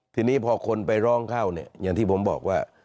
ทีนี้พอคนไปร้องเข้าเนี่ยอย่างที่ผมบอกว่า